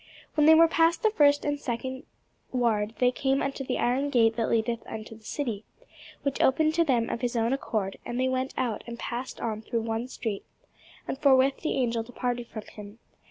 When they were past the first and the second ward, they came unto the iron gate that leadeth unto the city; which opened to them of his own accord: and they went out, and passed on through one street; and forthwith the angel departed from him.